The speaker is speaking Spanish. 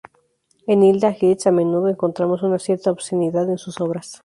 En Hilda Hilst a menudo encontramos una cierta obscenidad en su obras.